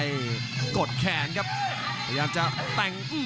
ยังไงยังไง